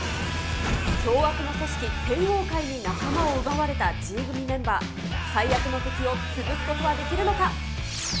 凶悪な組織、天王会に仲間を奪われたＧ組メンバー、最悪の敵を潰すことはできるのか。